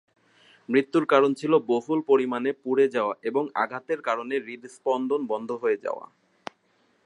মৃত্যুর কারণ ছিল বহুল পরিমাণে পুড়ে যাওয়া এবং আঘাতের কারণে হৃৎস্পন্দন বন্ধ হয়ে যাওয়া।